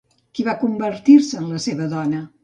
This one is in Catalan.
Qui va convertir-se en la seva dona?